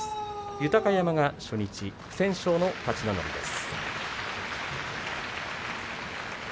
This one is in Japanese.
豊山が初日不戦勝の勝ち名乗りです。